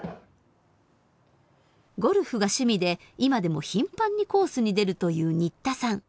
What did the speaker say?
ゴルフが趣味で今でも頻繁にコースに出るという新田さん。